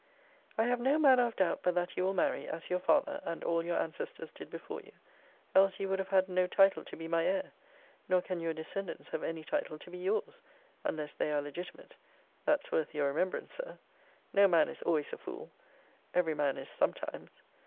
I have no manner of doubt but that you will marry, as your father, and all your ancestors, did before you: else you would have had no title to be my heir; nor can your descendants have any title to be your's, unless they are legitimate; that's worth your remembrance, Sir! No man is always a fool, every man is sometimes.